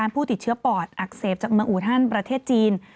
ผู้ติดเชื้อปอดอักเสบจากเมืองอูฮันประเทศจีน